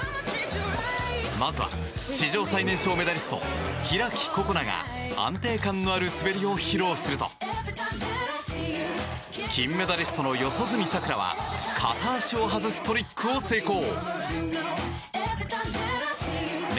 まずは史上最年少メダリスト開心那が安定感のある滑りを披露すると金メダリストの四十住さくらは片足を外すトリックを成功。